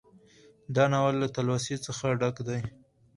دا ناول له تلوسې څخه ډک دى